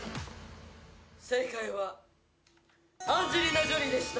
正解はアンジェリーナ・ジョリーでした。